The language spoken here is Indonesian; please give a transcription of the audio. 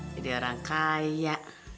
jadi orang kaya